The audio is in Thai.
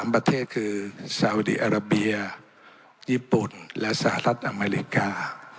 ประเทศคือสาวดีอาราเบียญี่ปุ่นและสหรัฐอเมริกา